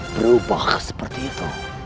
berubah seperti itu